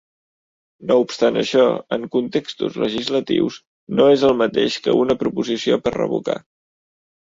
No obstant això, en contextos legislatius, no és el mateix que una proposició per revocar.